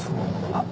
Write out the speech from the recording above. あっ！